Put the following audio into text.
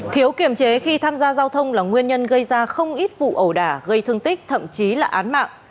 thiếu kiểm chế khi tham gia giao thông là nguyên nhân gây ra không ít vụ ẩu đả gây thương tích thậm chí là án mạng